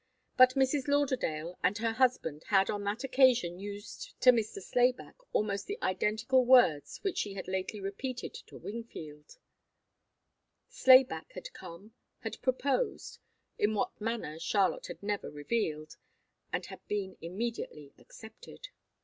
But Mrs. Lauderdale and her husband had on that occasion used to Mr. Slayback almost the identical words which she had lately repeated to Wingfield; Slayback had come, had proposed, in what manner Charlotte had never revealed, and had been immediately accepted.